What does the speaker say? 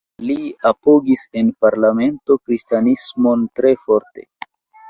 Li apogis en parlamento kristanismon tre forte.